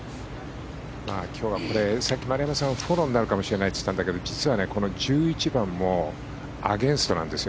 今日は丸山さんフォローになるかもしれないと言ったんだけど、１１番も風がアゲンストなんです。